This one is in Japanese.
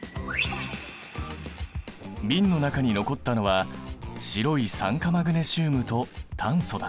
びんの中に残ったのは白い酸化マグネシウムと炭素だ。